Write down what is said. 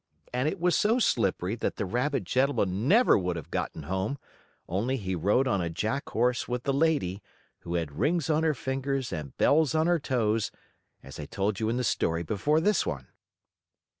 And it was so slippery that the rabbit gentleman never would have gotten home, only he rode on a Jack horse with the lady, who had rings on her fingers and bells on her toes, as I told you in the story before this one.